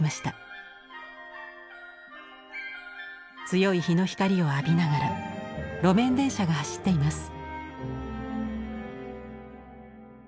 強い日の光を浴びながら路面電車が走っています。